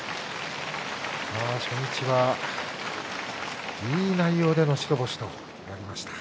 初日はいい内容での白星となりました。